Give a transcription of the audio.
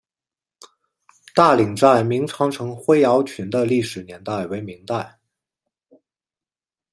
大岭寨明长城灰窑群的历史年代为明代。